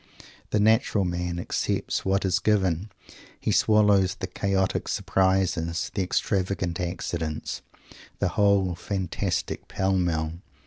The natural man accepts what is given. He swallows the chaotic surprises, the extravagant accidents, the whole fantastic "pell mell."